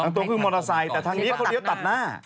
ตัวคือมอเตอร์ไซค์แต่ทางนี้เขาเลี้ยวตัดหน้า